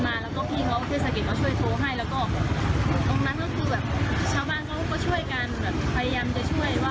ว่าเป็นยังไงแล้วช่วยกันมาลงมาตรงกันใหญ่เลย